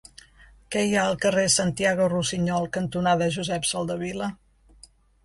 Què hi ha al carrer Santiago Rusiñol cantonada Josep Soldevila?